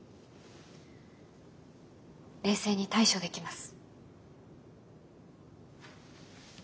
冷静に対処できます。